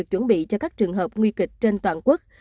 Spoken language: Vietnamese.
chuẩn bị cho các trường hợp nguy kịch trên toàn quốc